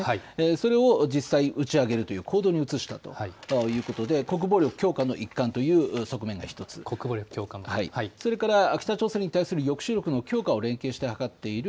それを実際、打ち上げるという行動に移したということで国防力強化の一環という側面が１つ、それから北朝鮮に対する抑止力の強化を連携して図っている